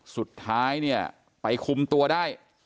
สุดท้ายเนี่ยไปคุมตัวได้